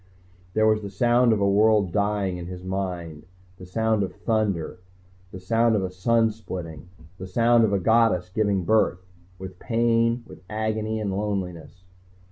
There was the sound of a world dying in his mind, the sound of thunder, the sound of a sun splitting, the sound of a goddess giving birth, with pain with agony in loneliness.